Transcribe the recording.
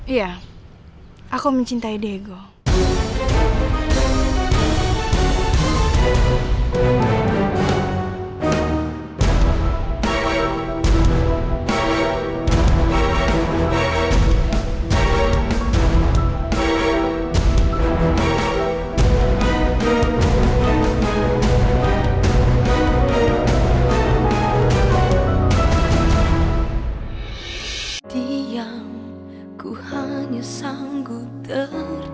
iya aku dengar